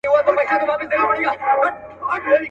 که ما اورې بل به نه وي، ځان هم نه سې اورېدلای.